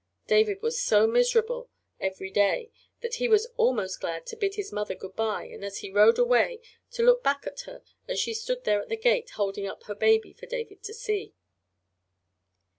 David was so miserable every day that he was almost glad to bid his mother good by, and as he rode away, to look back at her as she stood there at the gate holding up her baby for David to see.